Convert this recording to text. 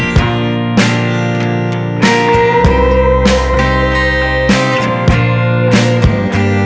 saya berdua setuju